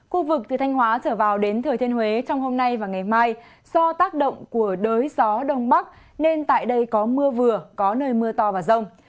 khu vực từ thanh hóa trở vào đến thừa thiên huế trong hôm nay và ngày mai do tác động của đới gió đông bắc nên tại đây có mưa vừa có nơi mưa to và rông